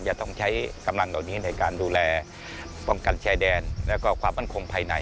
จะต้องใช้กำลังเหล่านี้ในการดูแลป้องกันชายแดนแล้วก็ความมั่นคงภายใน